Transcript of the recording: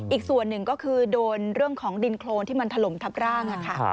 อีกส่วนหนึ่งก็คือโดนเรื่องของดินโครนที่มันถล่มทับร่างค่ะ